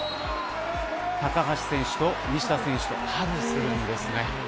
高橋選手と西田選手とハグをするんですね。